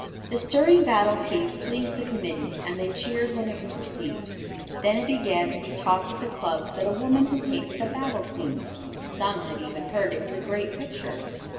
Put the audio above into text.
The stirring battle piece pleased the committee, and they cheered when it was received. Then it began to be talked at the clubs that a woman had painted a battle scene! Some had even heard that it was a great picture.